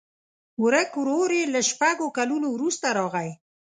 ورک ورور یې له شپږو کلونو وروسته راغی.